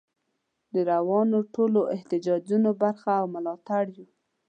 د روانو ټولو احتجاجونو برخه او ملاتړ یو.